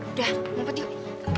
udah ngumpet yuk